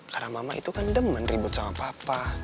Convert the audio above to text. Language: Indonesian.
karena mama itu kan demen ribet sama papa